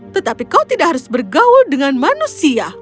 tetapi kau tidak harus bergaul dengan manusia